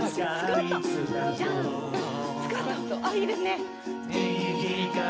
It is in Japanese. いいです。